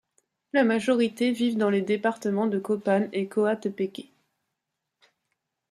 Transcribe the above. La majorité vivent dans les départements de Copan et Coatepeque.